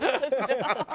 ハハハハ！